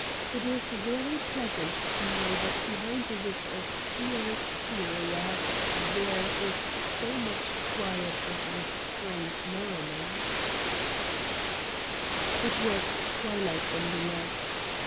It is very pleasant to know that behind this austere exterior there is 43 Satan's Diary so much quiet and restrained merriment I It was twilight when we left.